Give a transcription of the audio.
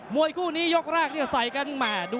มวยคู่นี้ยกรากเนี่ยใส่กันแหมด